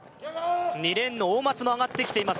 ２レーンの大松も上がってきています